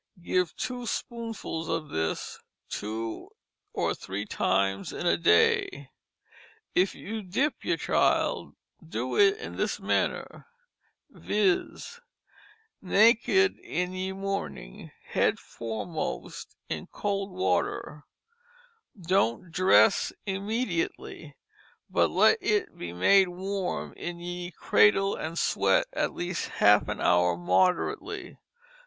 Give 2 Spoonfuls of this 2 or 3 times in a day. If you Dip your Child, Do it in this manner: viz: naked, in ye morning, head foremost in Cold Water, don't dress it Immediately, but let it be made warm in ye Cradle & sweat at least half an Hour moderately.